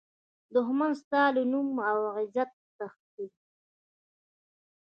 دښمن ستا له نوم او عزته تښتي